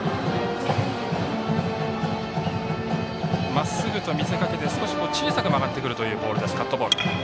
まっすぐと見せかけて少し小さく曲がってくるカットボール。